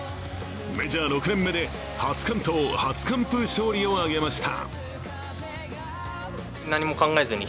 メジャー６年目で初完投初完封勝利を挙げました。